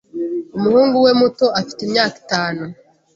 Umuhungu we muto afite imyaka itanu.